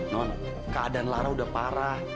non keadaan lara udah parah